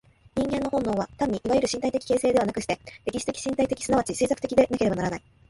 人間の本能は単にいわゆる身体的形成ではなくして、歴史的身体的即ち制作的でなければならない。